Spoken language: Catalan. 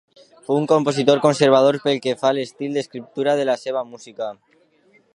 Fou un compositor conservador pel que fa a l'estil d'escriptura de la seva música.